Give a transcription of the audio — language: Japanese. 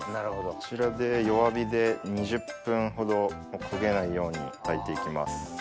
こちらで弱火で２０分ほど焦げないように炊いて行きます。